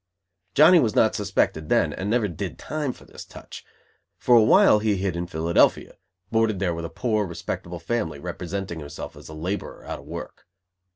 Johnny was not suspected then, and never "did time" for this touch. For a while he hid in Philadelphia; boarded there with a poor, respectable family, representing himself as a laborer out of work.